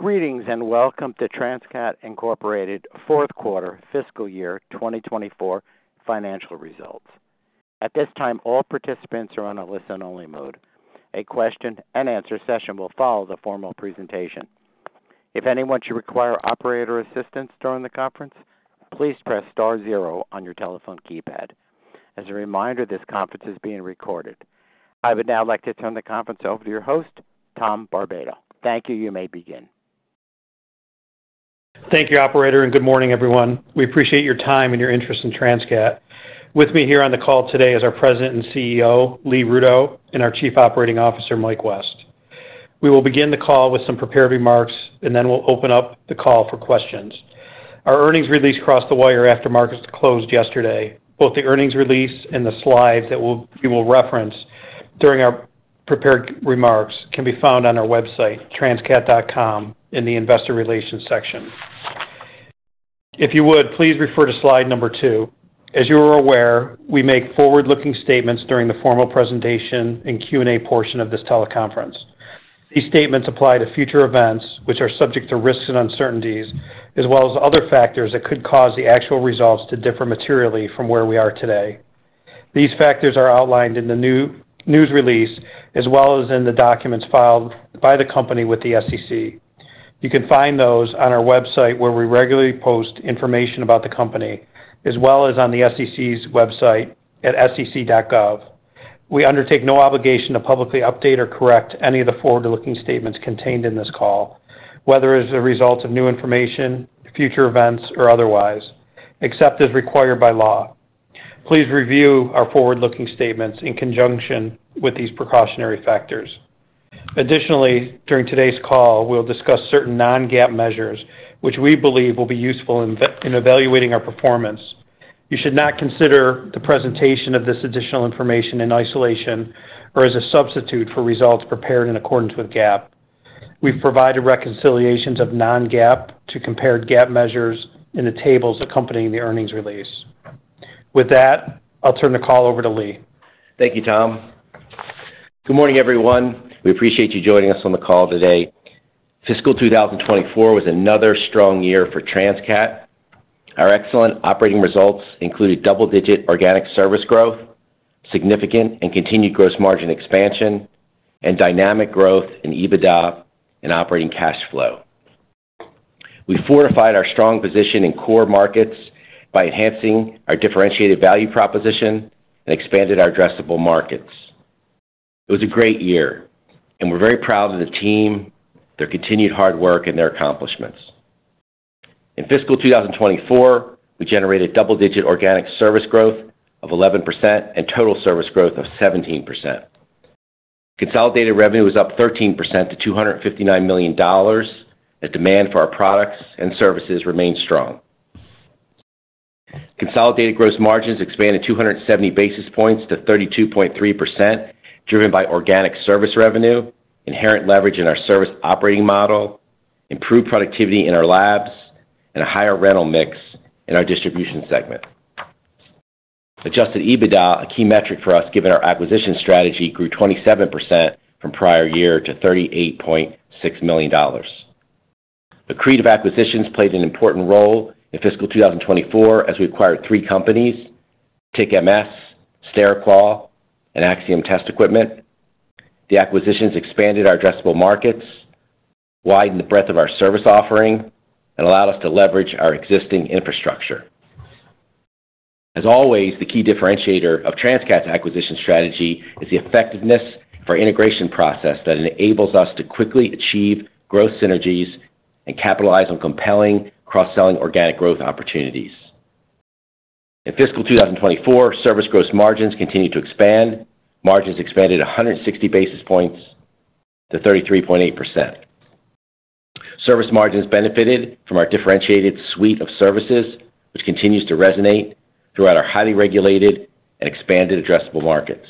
Greetings, and welcome to Transcat, Incorporated, fourth quarter fiscal year 2024 financial results. At this time, all participants are on a listen-only mode. A question-and-answer session will follow the formal presentation. If anyone should require operator assistance during the conference, please press star zero on your telephone keypad. As a reminder, this conference is being recorded. I would now like to turn the conference over to your host, Tom Barbato. Thank you. You may begin. Thank you, operator, and good morning, everyone. We appreciate your time and your interest in Transcat. With me here on the call today is our President and CEO, Lee Rudow, and our Chief Operating Officer, Mike West. We will begin the call with some prepared remarks, and then we'll open up the call for questions. Our earnings release crossed the wire after markets closed yesterday. Both the earnings release and the slides that we will reference during our prepared remarks can be found on our website, transcat.com, in the investor relations section. If you would, please refer to slide number two. As you are aware, we make forward-looking statements during the formal presentation and Q&A portion of this teleconference. These statements apply to future events, which are subject to risks and uncertainties, as well as other factors that could cause the actual results to differ materially from where we are today. These factors are outlined in the news release, as well as in the documents filed by the company with the SEC. You can find those on our website, where we regularly post information about the company, as well as on the SEC's website at sec.gov. We undertake no obligation to publicly update or correct any of the forward-looking statements contained in this call, whether as a result of new information, future events, or otherwise, except as required by law. Please review our forward-looking statements in conjunction with these precautionary factors. Additionally, during today's call, we'll discuss certain non-GAAP measures, which we believe will be useful in evaluating our performance. You should not consider the presentation of this additional information in isolation or as a substitute for results prepared in accordance with GAAP. We've provided reconciliations of non-GAAP to comparable GAAP measures in the tables accompanying the earnings release. With that, I'll turn the call over to Lee. Thank you, Tom. Good morning, everyone. We appreciate you joining us on the call today. Fiscal 2024 was another strong year for Transcat. Our excellent operating results included double-digit organic service growth, significant and continued gross margin expansion, and dynamic growth in EBITDA and operating cash flow. We fortified our strong position in core markets by enhancing our differentiated value proposition and expanded our addressable markets. It was a great year, and we're very proud of the team, their continued hard work, and their accomplishments. In Fiscal 2024, we generated double-digit organic service growth of 11% and total service growth of 17%. Consolidated revenue was up 13% to $259 million, as demand for our products and services remained strong. Consolidated gross margins expanded 270 basis points to 32.3%, driven by organic service revenue, inherent leverage in our service operating model, improved productivity in our labs, and a higher rental mix in our distribution segment. Adjusted EBITDA, a key metric for us, given our acquisition strategy, grew 27% from prior year to $38.6 million. Accretive acquisitions played an important role in fiscal 2024, as we acquired three companies, TIC-MS, SteriQual, and Axiom Test Equipment. The acquisitions expanded our addressable markets, widened the breadth of our service offering, and allowed us to leverage our existing infrastructure. As always, the key differentiator of Transcat's acquisition strategy is the effectiveness of our integration process that enables us to quickly achieve growth synergies and capitalize on compelling cross-selling organic growth opportunities. In fiscal 2024, service gross margins continued to expand. Margins expanded 160 basis points to 33.8%. Service margins benefited from our differentiated suite of services, which continues to resonate throughout our highly regulated and expanded addressable markets.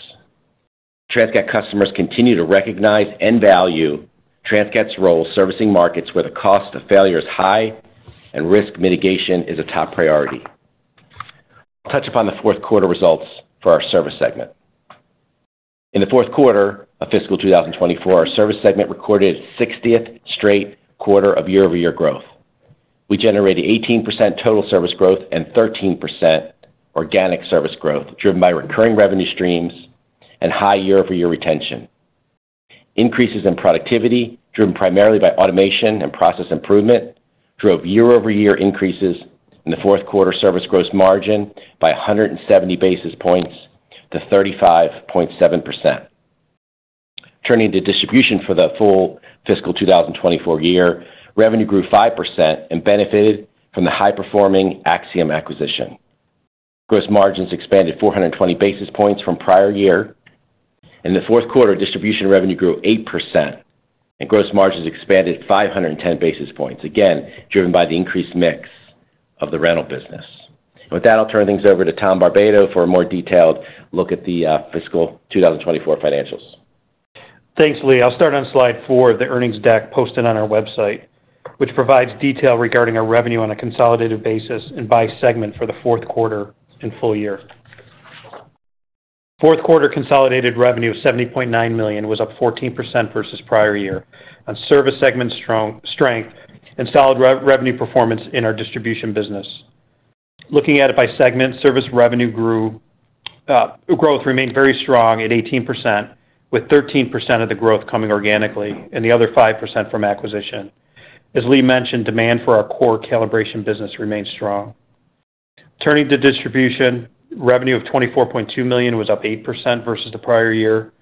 Transcat customers continue to recognize and value Transcat's role servicing markets where the cost of failure is high and risk mitigation is a top priority. I'll touch upon the fourth quarter results for our service segment. In the fourth quarter of fiscal 2024, our service segment recorded its 60th straight quarter of year-over-year growth. We generated 18% total service growth and 13% organic service growth, driven by recurring revenue streams and high year-over-year retention. Increases in productivity, driven primarily by automation and process improvement, drove year-over-year increases in the fourth quarter service gross margin by 170 basis points to 35.7%. Turning to distribution for the full fiscal 2024 year, revenue grew 5% and benefited from the high-performing Axiom acquisition. Gross margins expanded 420 basis points from prior year. In the fourth quarter, distribution revenue grew 8%, and gross margins expanded 510 basis points, again, driven by the increased mix of the rental business. With that, I'll turn things over to Tom Barbato for a more detailed look at the fiscal 2024 financials. Thanks, Lee. I'll start on slide four of the earnings deck posted on our website, which provides detail regarding our revenue on a consolidated basis and by segment for the fourth quarter and full year. Fourth quarter consolidated revenue of $70.9 million was up 14% versus prior year on service segment strength and solid revenue performance in our distribution business. Looking at it by segment, service revenue growth remained very strong at 18%, with 13% of the growth coming organically and the other 5% from acquisition. As Lee mentioned, demand for our core calibration business remains strong. Turning to distribution, revenue of $24.2 million was up 8% versus the prior year.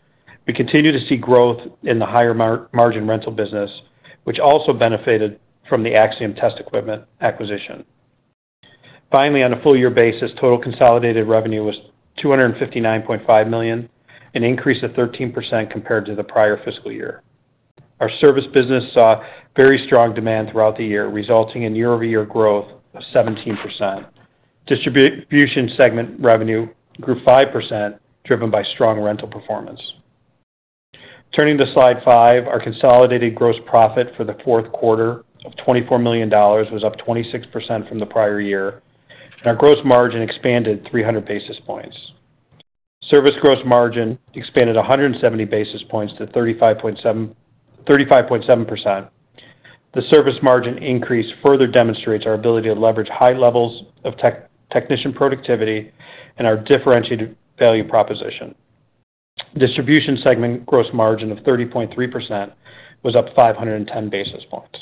We continue to see growth in the higher margin rental business, which also benefited from the Axiom Test Equipment acquisition. Finally, on a full year basis, total consolidated revenue was $259.5 million, an increase of 13% compared to the prior fiscal year. Our service business saw very strong demand throughout the year, resulting in year-over-year growth of 17%. Distribution segment revenue grew 5%, driven by strong rental performance. Turning to slide five, our consolidated gross profit for the fourth quarter of $24 million was up 26% from the prior year, and our gross margin expanded 300 basis points. Service gross margin expanded 170 basis points to 35.7%, 35.7%. The service margin increase further demonstrates our ability to leverage high levels of technician productivity and our differentiated value proposition. Distribution segment gross margin of 30.3% was up 510 basis points.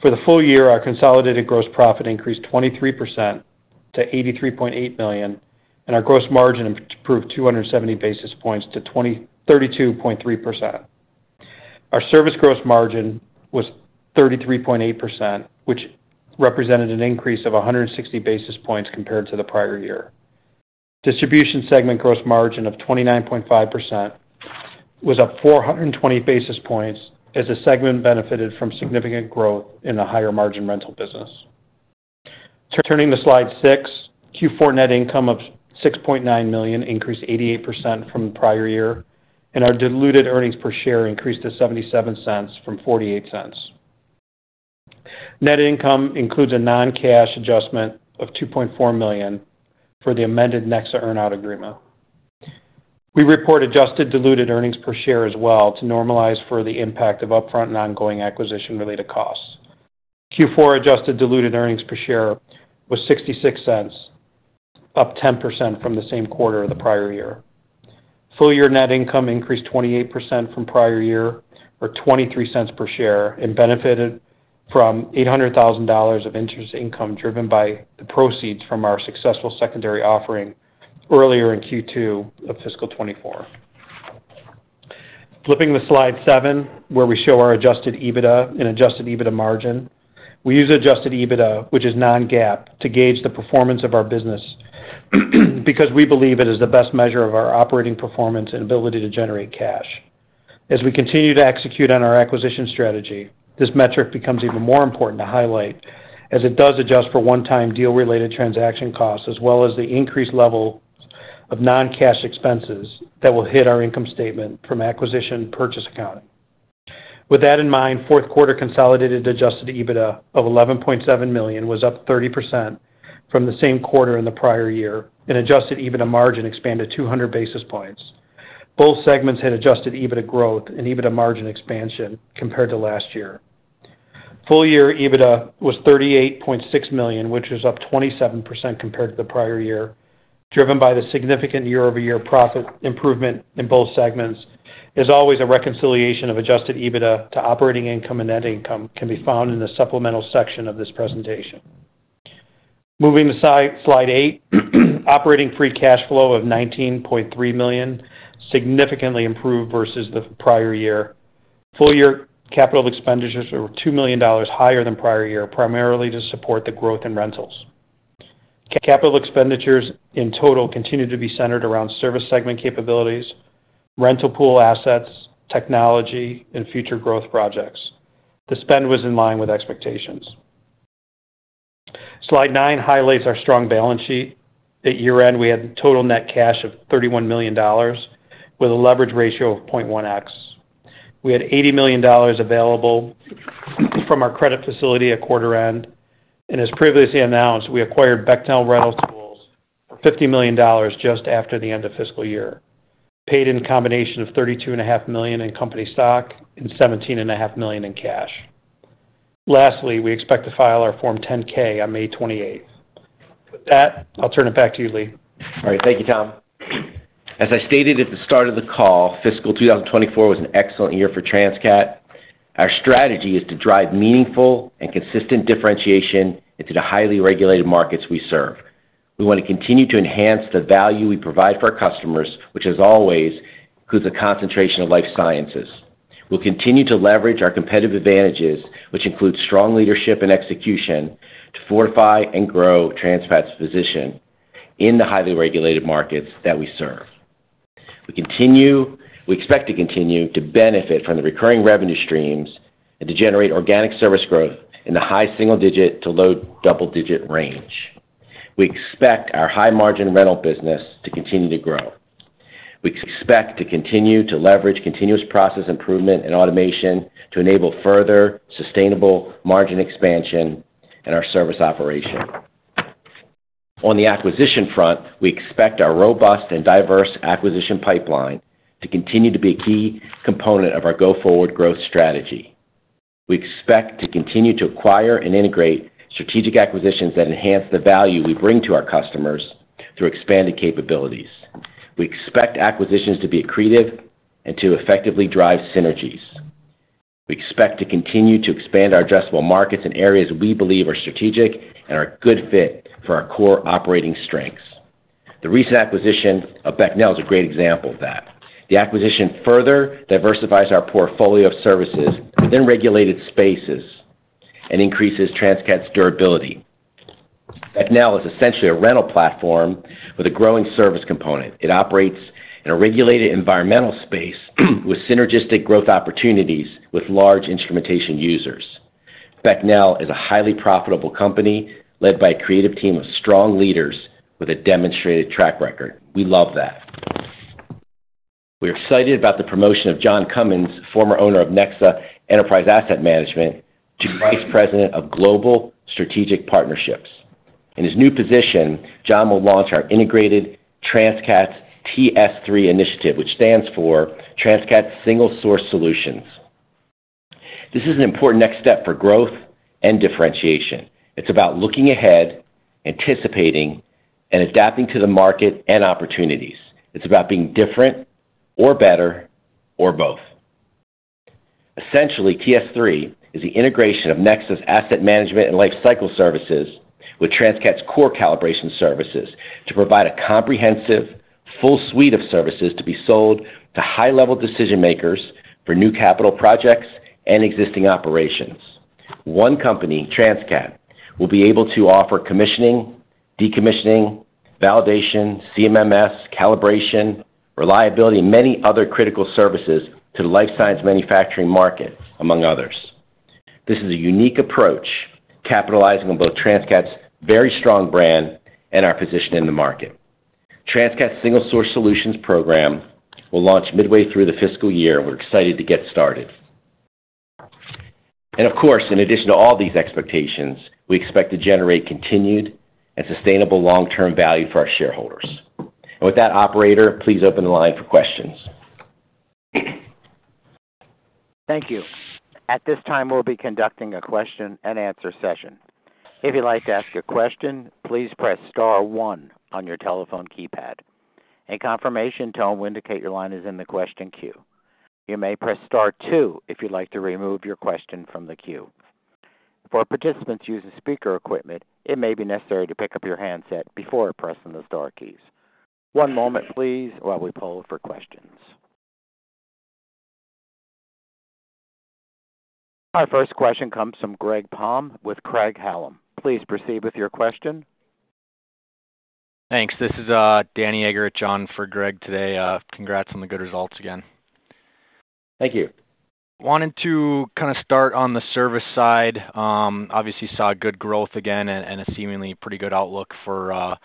For the full year, our consolidated gross profit increased 23% to $83.8 million, and our gross margin improved 270 basis points to 23.3%. Our service gross margin was 33.8%, which represented an increase of 160 basis points compared to the prior year. Distribution segment gross margin of 29.5% was up 420 basis points, as the segment benefited from significant growth in the higher margin rental business. Turning to slide six, Q4 net income of $6.9 million increased 88% from the prior year, and our diluted earnings per share increased to $0.77 from $0.48. Net income includes a non-cash adjustment of $2.4 million for the amended NEXA earnout agreement. We report adjusted diluted earnings per share as well to normalize for the impact of upfront and ongoing acquisition-related costs. Q4 adjusted diluted earnings per share was $0.66, up 10% from the same quarter of the prior year. Full year net income increased 28% from prior year, or $0.23 per share, and benefited from $800,000 of interest income driven by the proceeds from our successful secondary offering earlier in Q2 of fiscal 2024. Flipping to slide seven, where we show our adjusted EBITDA and adjusted EBITDA margin. We use adjusted EBITDA, which is non-GAAP, to gauge the performance of our business, because we believe it is the best measure of our operating performance and ability to generate cash. As we continue to execute on our acquisition strategy, this metric becomes even more important to highlight, as it does adjust for one-time deal-related transaction costs, as well as the increased level of non-cash expenses that will hit our income statement from acquisition purchase accounting. With that in mind, fourth quarter consolidated adjusted EBITDA of $11.7 million was up 30% from the same quarter in the prior year, and adjusted EBITDA margin expanded 200 basis points. Both segments had adjusted EBITDA growth and EBITDA margin expansion compared to last year. Full year EBITDA was $38.6 million, which was up 27% compared to the prior year, driven by the significant year-over-year profit improvement in both segments. As always, a reconciliation of adjusted EBITDA to operating income and net income can be found in the supplemental section of this presentation. Moving to slide, slide eight. Operating free cash flow of $19.3 million significantly improved versus the prior year. Full year capital expenditures were $2 million higher than prior year, primarily to support the growth in rentals. Capital expenditures in total continued to be centered around service segment capabilities, rental pool assets, technology, and future growth projects. The spend was in line with expectations. Slide nine highlights our strong balance sheet. At year-end, we had total net cash of $31 million, with a leverage ratio of 0.1x. We had $80 million available from our credit facility at quarter end, and as previously announced, we acquired Becnel Rental Tools for $50 million just after the end of fiscal year, paid in a combination of $32.5 million in company stock and $17.5 million in cash. Lastly, we expect to file our Form 10-K on May 28th. With that, I'll turn it back to you, Lee. All right, thank you, Tom. As I stated at the start of the call, fiscal 2024 was an excellent year for Transcat. Our strategy is to drive meaningful and consistent differentiation into the highly regulated markets we serve. We want to continue to enhance the value we provide for our customers, which, as always, includes a concentration of life sciences. We'll continue to leverage our competitive advantages, which include strong leadership and execution, to fortify and grow Transcat's position in the highly regulated markets that we serve. We expect to continue to benefit from the recurring revenue streams and to generate organic service growth in the high single-digit to low double-digit range. We expect our high-margin rental business to continue to grow. We expect to continue to leverage continuous process improvement and automation to enable further sustainable margin expansion in our service operation. On the acquisition front, we expect our robust and diverse acquisition pipeline to continue to be a key component of our go-forward growth strategy. We expect to continue to acquire and integrate strategic acquisitions that enhance the value we bring to our customers through expanded capabilities. We expect acquisitions to be accretive and to effectively drive synergies. We expect to continue to expand our addressable markets in areas we believe are strategic and are a good fit for our core operating strengths. The recent acquisition of Becnel is a great example of that. The acquisition further diversifies our portfolio of services within regulated spaces and increases Transcat's durability. Becnel is essentially a rental platform with a growing service component. It operates in a regulated environmental space with synergistic growth opportunities with large instrumentation users. Becnel is a highly profitable company, led by a creative team of strong leaders with a demonstrated track record. We love that. We're excited about the promotion of John Cummins, former owner of NEXA Enterprise Asset Management, to Vice President of Global Strategic Partnerships. In his new position, John will launch our integrated Transcat TS3 initiative, which stands for Transcat Single Source Solutions. This is an important next step for growth and differentiation. It's about looking ahead, anticipating, and adapting to the market and opportunities. It's about being different, or better, or both. Essentially, TS3 is the integration of NEXA's asset management and life cycle services with Transcat's core calibration services to provide a comprehensive, full suite of services to be sold to high-level decision-makers for new capital projects and existing operations. One company, Transcat, will be able to offer commissioning, decommissioning, validation, CMMS, calibration, reliability, and many other critical services to the life science manufacturing market, among others. This is a unique approach, capitalizing on both Transcat's very strong brand and our position in the market. Transcat's Single Source Solutions program will launch midway through the fiscal year. We're excited to get started. Of course, in addition to all these expectations, we expect to generate continued and sustainable long-term value for our shareholders. With that, operator, please open the line for questions. Thank you. At this time, we'll be conducting a question-and-answer session. If you'd like to ask a question, please press star one on your telephone keypad. A confirmation tone will indicate your line is in the question queue. You may press star two if you'd like to remove your question from the queue. For participants using speaker equipment, it may be necessary to pick up your handset before pressing the star keys. One moment, please, while we poll for questions. Our first question comes from Greg Palm with Craig-Hallum. Please proceed with your question. Thanks. This is Danny Eggerichs at for Greg Palm today. Congrats on the good results again. Thank you. Wanted to kind of start on the service side. Obviously saw good growth again and a seemingly pretty good outlook for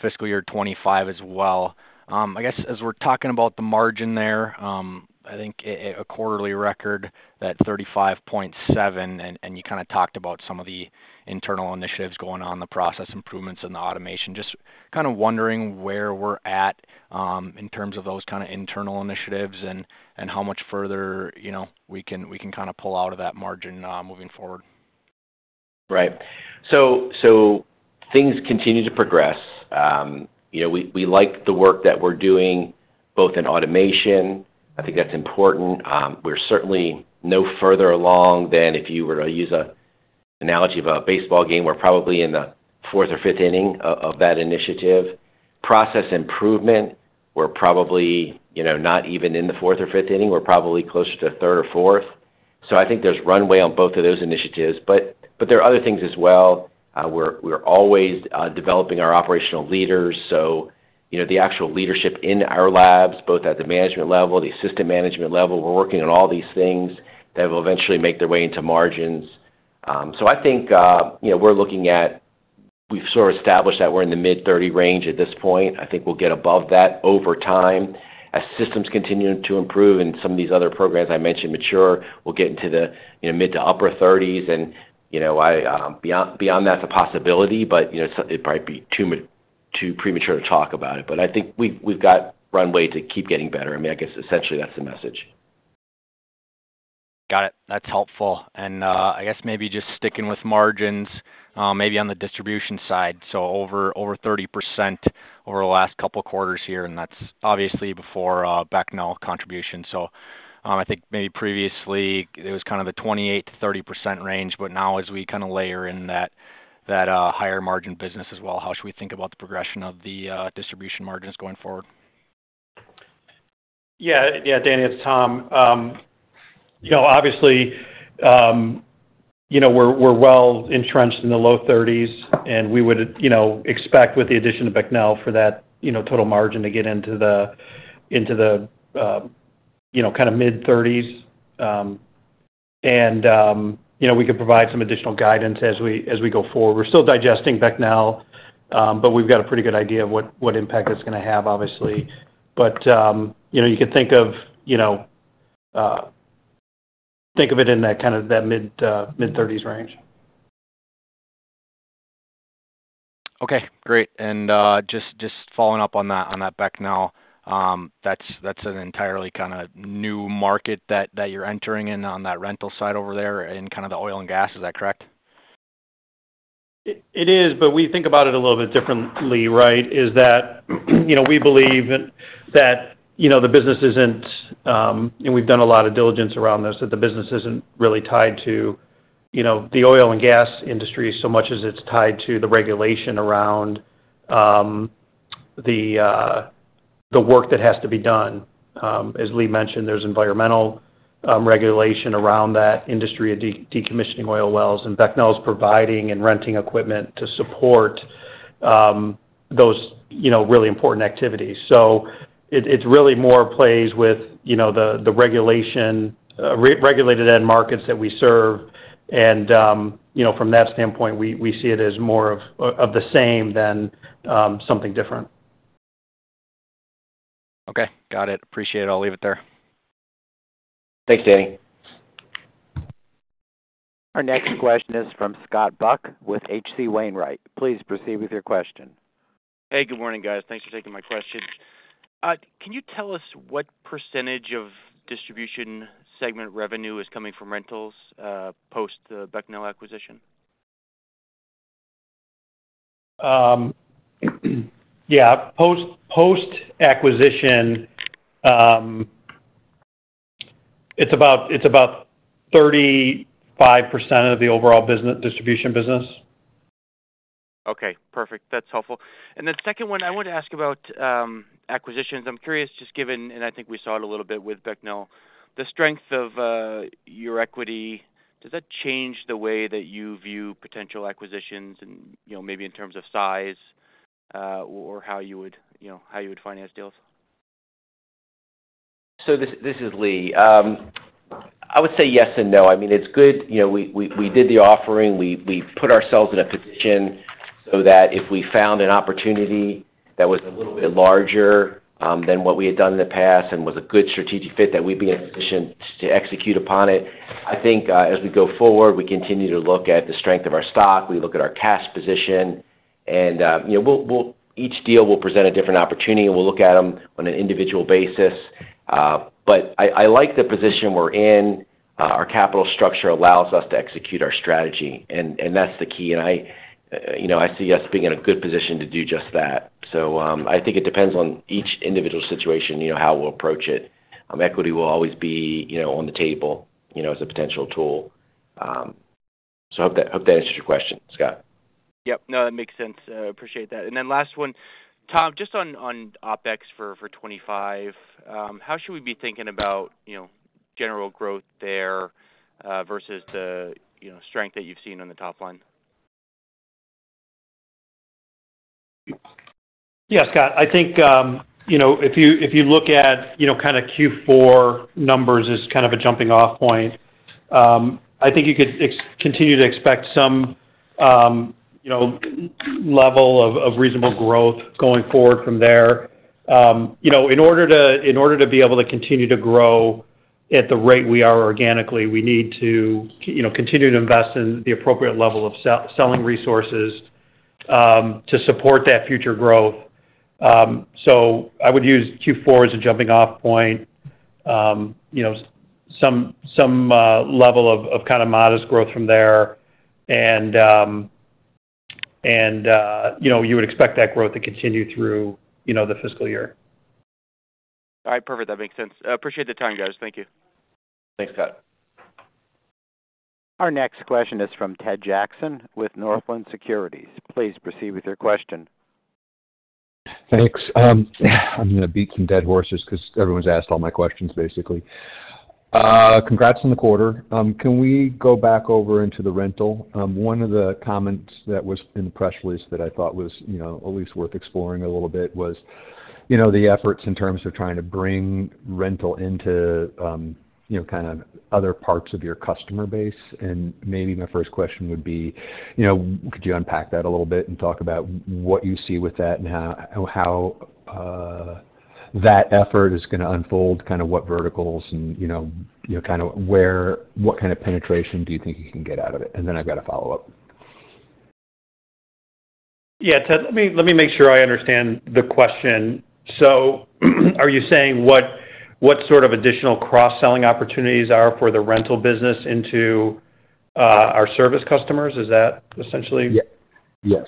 fiscal year 2025 as well. I guess, as we're talking about the margin there, I think a quarterly record at 35.7%, and you kind of talked about some of the internal initiatives going on, the process improvements and the automation. Just kind of wondering where we're at in terms of those kind of internal initiatives and how much further, you know, we can kind of pull out of that margin moving forward. Right. So things continue to progress. You know, we like the work that we're doing, both in automation. I think that's important. We're certainly no further along than if you were to use an analogy of a baseball game. We're probably in the fourth or fifth inning of that initiative. Process improvement, we're probably, you know, not even in the fourth or fifth inning. We're probably closer to third or fourth. So I think there's runway on both of those initiatives. But there are other things as well. We're always developing our operational leaders. So, you know, the actual leadership in our labs, both at the management level, the assistant management level, we're working on all these things that will eventually make their way into margins. So I think, you know, we're looking at... We've sort of established that we're in the mid-30% range at this point. I think we'll get above that over time. As systems continue to improve and some of these other programs I mentioned mature, we'll get into the, you know, mid- to upper 30s%. And, you know, I, beyond, beyond that is a possibility, but, you know, it might be too premature to talk about it. But I think we've, we've got runway to keep getting better. I mean, I guess essentially that's the message. Got it. That's helpful. And, I guess maybe just sticking with margins, maybe on the distribution side. So over 30% over the last couple of quarters here, and that's obviously before, Becnel contribution. So, I think maybe previously it was kind of a 28%-30% range, but now as we kind of layer in that, that, higher margin business as well, how should we think about the progression of the, distribution margins going forward? Yeah, yeah, Danny, it's Tom. You know, obviously, you know, we're, we're well entrenched in the low 30s%, and we would, you know, expect with the addition of Becnel, for that, you know, total margin to get into the, into the, you know, kind of mid-30s%, and, you know, we could provide some additional guidance as we, as we go forward. We're still digesting Becnel, but we've got a pretty good idea of what, what impact that's gonna have, obviously. But, you know, you could think of, you know, think of it in that kind of that mid, mid-30s% range. Okay, great. And, just, just following up on that, on that Becnel, that's, that's an entirely kinda new market that, that you're entering in on that rental side over there in kind of the oil and gas. Is that correct? It is, but we think about it a little bit differently, Lee, right? That you know, we believe that, you know, the business isn't, and we've done a lot of diligence around this, that the business isn't really tied to, you know, the oil and gas industry, so much as it's tied to the regulation around the work that has to be done. As Lee mentioned, there's environmental regulation around that industry of decommissioning oil wells, and Becnel is providing and renting equipment to support those, you know, really important activities. So it really more plays with, you know, the regulation, regulated end markets that we serve. And, you know, from that standpoint, we see it as more of the same than something different. Okay, got it. Appreciate it. I'll leave it there. Thanks, Danny. Our next question is from Scott Buck with H.C. Wainwright. Please proceed with your question. Hey, good morning, guys. Thanks for taking my question. Can you tell us what percentage of distribution segment revenue is coming from rentals, post the Becnel acquisition? Yeah, post-acquisition, it's about 35% of the overall business, distribution business. Okay, perfect. That's helpful. And the second one, I wanted to ask about, acquisitions. I'm curious, just given, and I think we saw it a little bit with Becnel, the strength of, your equity, does that change the way that you view potential acquisitions and, you know, maybe in terms of size, or how you would, you know, how you would finance deals? So this is Lee. I would say yes and no. I mean, it's good, you know, we did the offering. We put ourselves in a position so that if we found an opportunity that was a little bit larger than what we had done in the past and was a good strategic fit, that we'd be in a position to execute upon it. I think, as we go forward, we continue to look at the strength of our stock. We look at our cash position and, you know, we'll... Each deal will present a different opportunity, and we'll look at them on an individual basis. But I like the position we're in. Our capital structure allows us to execute our strategy, and that's the key. And I, you know, I see us being in a good position to do just that. So, I think it depends on each individual situation, you know, how we'll approach it. Equity will always be, you know, on the table, you know, as a potential tool. So I hope that, hope that answers your question, Scott. Yep. No, that makes sense. Appreciate that. And then last one, Tom, just on OpEx for 2025, how should we be thinking about, you know, general growth there versus the, you know, strength that you've seen on the top line? Yeah, Scott, I think, you know, if you, if you look at, you know, kind of Q4 numbers as kind of a jumping off point, I think you could continue to expect some, you know, level of reasonable growth going forward from there. You know, in order to be able to continue to grow at the rate we are organically, we need to, you know, continue to invest in the appropriate level of selling resources to support that future growth. So I would use Q4 as a jumping off point. You know, some level of kind of modest growth from there. And you know, you would expect that growth to continue through, you know, the fiscal year. All right. Perfect. That makes sense. I appreciate the time, guys. Thank you. Thanks, Scott. Our next question is from Ted Jackson with Northland Securities. Please proceed with your question. Thanks. I'm gonna beat some dead horses 'cause everyone's asked all my questions, basically. Congrats on the quarter. Can we go back over into the rental? One of the comments that was in the press release that I thought was, you know, at least worth exploring a little bit was, you know, the efforts in terms of trying to bring rental into, you know, kind of other parts of your customer base. And maybe my first question would be, you know, could you unpack that a little bit and talk about what you see with that and how, how that effort is gonna unfold, kind of what verticals and, you know, you know, kind of where—what kind of penetration do you think you can get out of it? And then I've got a follow-up. Yeah, Ted, let me, let me make sure I understand the question. So are you saying, what, what sort of additional cross-selling opportunities are for the rental business into our service customers? Is that essentially- Ye- yes.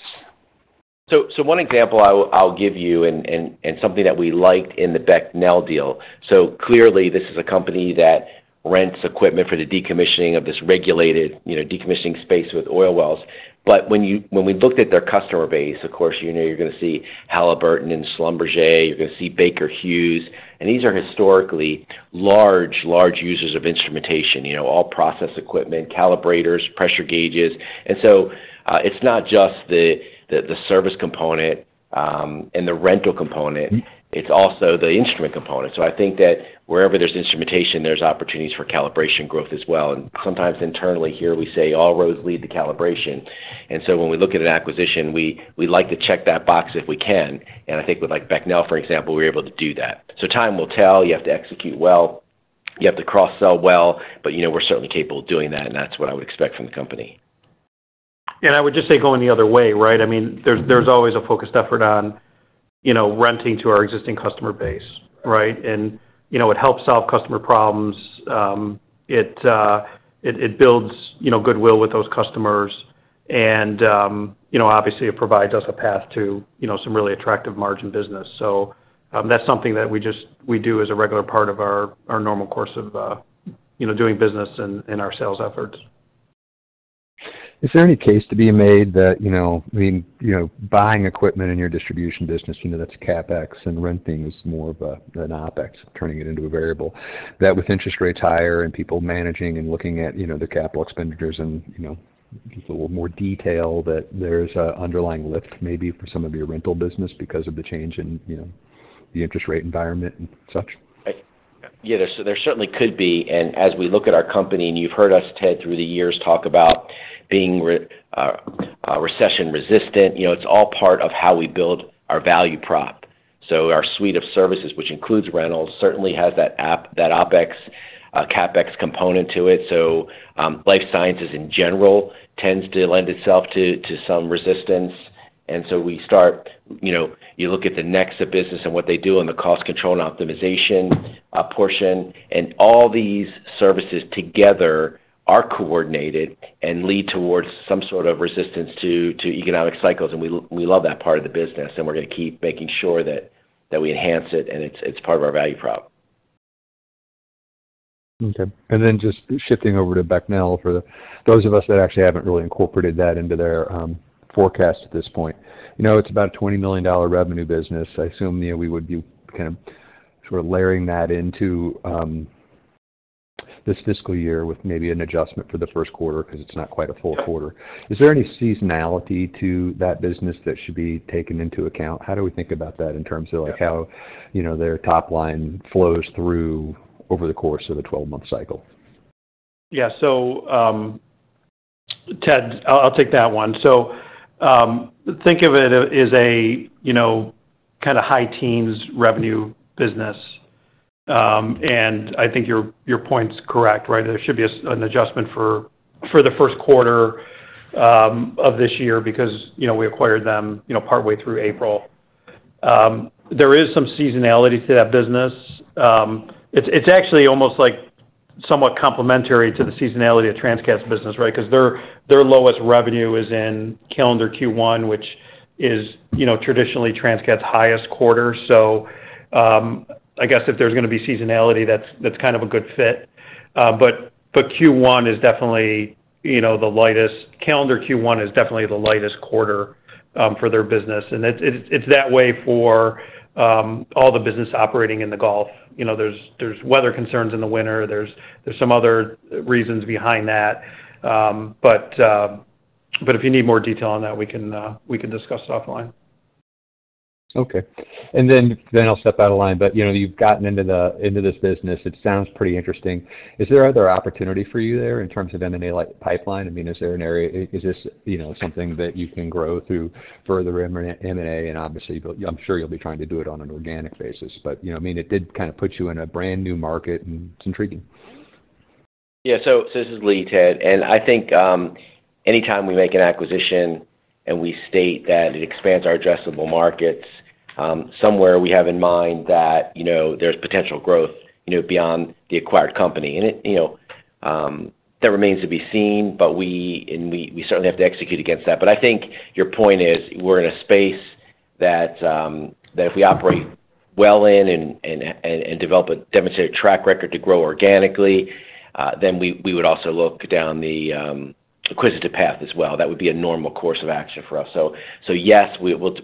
So one example I'll give you and something that we liked in the Becnel deal. So clearly, this is a company that rents equipment for the decommissioning of this regulated, you know, decommissioning space with oil wells. But when we looked at their customer base, of course, you know, you're gonna see Halliburton and Schlumberger, you're gonna see Baker Hughes. And these are historically large, large users of instrumentation, you know, all process equipment, calibrators, pressure gauges. And so, it's not just the service component and the rental component- Mm-hmm. It's also the instrument component. So I think that wherever there's instrumentation, there's opportunities for calibration growth as well. And sometimes internally here, we say all roads lead to calibration. And so when we look at an acquisition, we like to check that box if we can, and I think with, like, Becnel, for example, we're able to do that. So time will tell. You have to execute well. You have to cross-sell well, but you know, we're certainly capable of doing that, and that's what I would expect from the company. And I would just say going the other way, right? I mean, there's always a focused effort on, you know, renting to our existing customer base, right? And, you know, it helps solve customer problems. It builds, you know, goodwill with those customers. And, you know, obviously, it provides us a path to, you know, some really attractive margin business. So, that's something that we just we do as a regular part of our normal course of, you know, doing business in our sales efforts. Is there any case to be made that, you know, I mean, you know, buying equipment in your distribution business, you know, that's CapEx, and renting is more of a, an OpEx, turning it into a variable. That with interest rates higher and people managing and looking at, you know, the capital expenditures and, you know, just a little more detail, that there's a underlying lift maybe for some of your rental business because of the change in, you know, the interest rate environment and such? Yeah, there, so there certainly could be. And as we look at our company, and you've heard us, Ted, through the years, talk about being recession resistant, you know, it's all part of how we build our value prop. So our suite of services, which includes rentals, certainly has that OpEx, CapEx component to it. So, life sciences in general, tends to lend itself to some resistance. And so we start, you know, you look at the NEXA business and what they do in the cost control and optimization portion, and all these services together are coordinated and lead towards some sort of resistance to economic cycles, and we love that part of the business, and we're gonna keep making sure that we enhance it, and it's part of our value prop. Okay. Then just shifting over to Becnel, for those of us that actually haven't really incorporated that into their forecast at this point. You know, it's about a $20 million revenue business. I assume, you know, we would be kind of sort of layering that into this fiscal year with maybe an adjustment for the first quarter because it's not quite a full quarter. Is there any seasonality to that business that should be taken into account? How do we think about that in terms of, like, how, you know, their top line flows through over the course of the 12-month cycle? Yeah. So, Ted, I'll take that one. So, think of it as a, you know, kind of high teens revenue business. And I think your point's correct, right? There should be an adjustment for the first quarter of this year because, you know, we acquired them, you know, partway through April. There is some seasonality to that business. It's actually almost like somewhat complementary to the seasonality of Transcat's business, right? Because their lowest revenue is in calendar Q1, which is, you know, traditionally Transcat's highest quarter. So, I guess if there's gonna be seasonality, that's kind of a good fit. But Q1 is definitely, you know, the lightest... Calendar Q1 is definitely the lightest quarter for their business, and it's that way for all the business operating in the Gulf. You know, there's weather concerns in the winter, there's some other reasons behind that. But if you need more detail on that, we can discuss it offline. Okay. And then, then I'll step out of line. But, you know, you've gotten into the, into this business. It sounds pretty interesting. Is there other opportunity for you there in terms of M&A-like pipeline? I mean, is there an area, is this, you know, something that you can grow through further M&A, M&A? And obviously, but I'm sure you'll be trying to do it on an organic basis. But, you know, I mean, it did kind of put you in a brand-new market, and it's intriguing. Yeah. So this is Lee, Ted. And I think, anytime we make an acquisition, and we state that it expands our addressable markets, somewhere we have in mind that, you know, there's potential growth, you know, beyond the acquired company. And it, you know, that remains to be seen, but we and we certainly have to execute against that. But I think your point is, we're in a space that, that if we operate well in and develop a demonstrated track record to grow organically, then we would also look down the acquisitive path as well. That would be a normal course of action for us. So, yes, we'll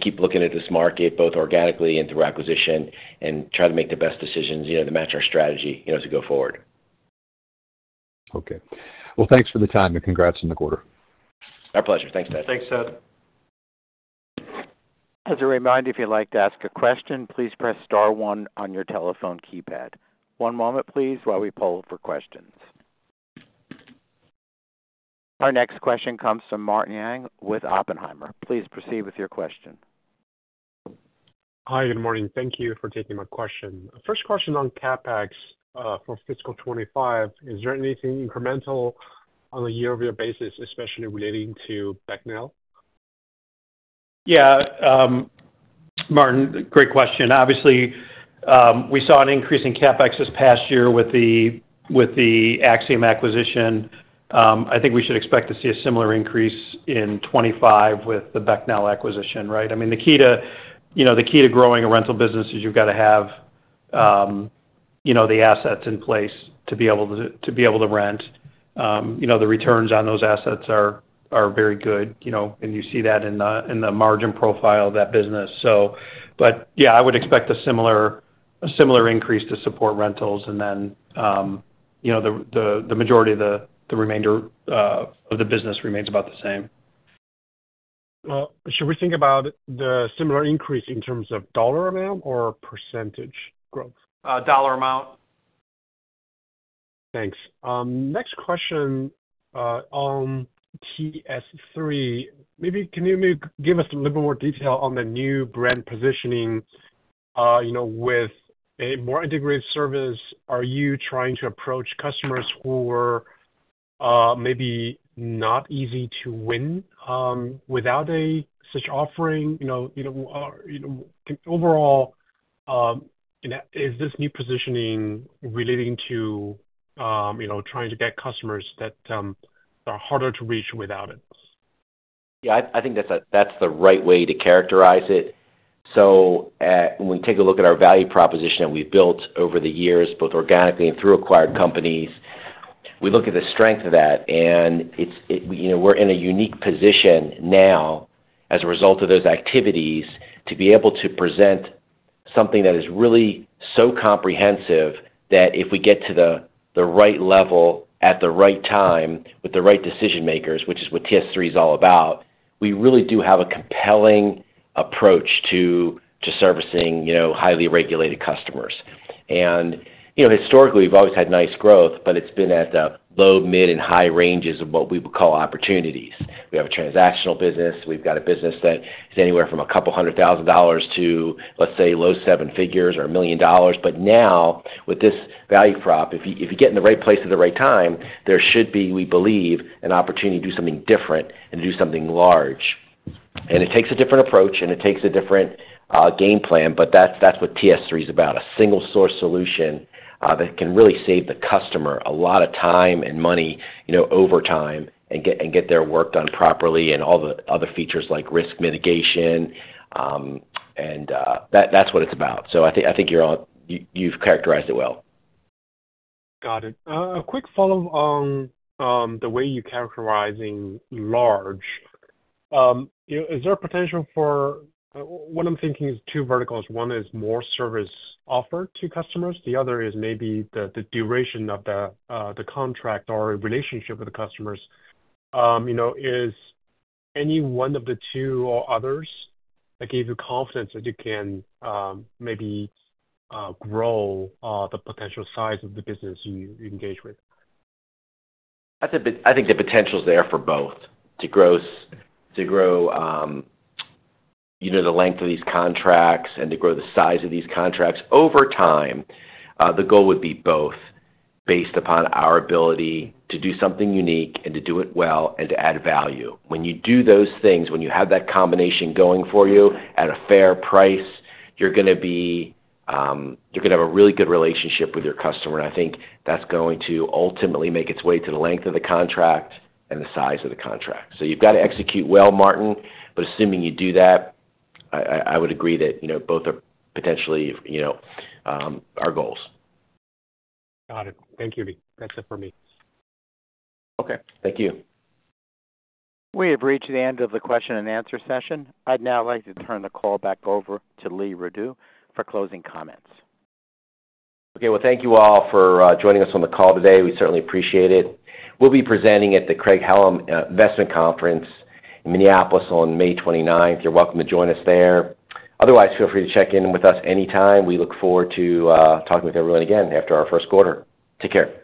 keep looking at this market, both organically and through acquisition, and try to make the best decisions, you know, to match our strategy, you know, as we go forward. Okay. Well, thanks for the time, and congrats on the quarter. Our pleasure. Thanks, Ted. Thanks, Ted. As a reminder, if you'd like to ask a question, please press star one on your telephone keypad. One moment, please, while we poll for questions. Our next question comes from Martin Yang with Oppenheimer. Please proceed with your question. Hi, good morning. Thank you for taking my question. First question on CapEx for fiscal 2025. Is there anything incremental on a year-over-year basis, especially relating to Becnel? Yeah, Martin, great question. Obviously, we saw an increase in CapEx this past year with the, with the Axiom acquisition. I think we should expect to see a similar increase in 2025 with the Becnel acquisition, right? I mean, the key to, you know, the key to growing a rental business is you've got to have, you know, the assets in place to be able to, to be able to rent. You know, the returns on those assets are, are very good, you know, and you see that in the, in the margin profile of that business. So, but yeah, I would expect a similar, a similar increase to support rentals. And then, you know, the, the, the majority of the, the remainder, of the business remains about the same. Should we think about the similar increase in terms of dollar amount or percentage growth? Dollar amount.... Thanks. Next question, on TS3. Maybe can you maybe give us a little more detail on the new brand positioning? You know, with a more integrated service, are you trying to approach customers who are, maybe not easy to win, without a such offering? You know, you know, overall, you know, is this new positioning relating to, you know, trying to get customers that, are harder to reach without it? Yeah, I think that's the right way to characterize it. So, when we take a look at our value proposition that we've built over the years, both organically and through acquired companies, we look at the strength of that, and it's you know, we're in a unique position now as a result of those activities, to be able to present something that is really so comprehensive, that if we get to the right level at the right time with the right decision makers, which is what TS3 is all about, we really do have a compelling approach to servicing, you know, highly regulated customers. And, you know, historically, we've always had nice growth, but it's been at the low, mid, and high ranges of what we would call opportunities. We have a transactional business. We've got a business that is anywhere from $200,000 to, let's say, low seven figures or $1 million. But now, with this value prop, if you get in the right place at the right time, there should be, we believe, an opportunity to do something different and do something large. And it takes a different approach, and it takes a different game plan, but that's what TS3 is about: a single-source solution that can really save the customer a lot of time and money, you know, over time, and get their work done properly and all the other features like risk mitigation. And that's what it's about. So I think you've characterized it well. Got it. A quick follow-up on the way you're characterizing large. Is there a potential for... What I'm thinking is two verticals. One is more service offered to customers, the other is maybe the duration of the contract or relationship with the customers. You know, is any one of the two or others that give you confidence that you can maybe grow the potential size of the business you engage with? I think the potential is there for both to grow, you know, the length of these contracts and to grow the size of these contracts over time. The goal would be both based upon our ability to do something unique and to do it well and to add value. When you do those things, when you have that combination going for you at a fair price, you're gonna have a really good relationship with your customer, and I think that's going to ultimately make its way to the length of the contract and the size of the contract. So you've got to execute well, Martin, but assuming you do that, I would agree that, you know, both are potentially, you know, our goals. Got it. Thank you, Lee. That's it for me. Okay, thank you. We have reached the end of the question and answer session. I'd now like to turn the call back over to Lee Rudow for closing comments. Okay, well, thank you all for joining us on the call today. We certainly appreciate it. We'll be presenting at the Craig-Hallum investment conference in Minneapolis on May 29. You're welcome to join us there. Otherwise, feel free to check in with us anytime. We look forward to talking with everyone again after our first quarter. Take care.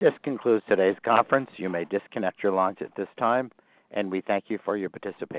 This concludes today's conference. You may disconnect your lines at this time, and we thank you for your participation.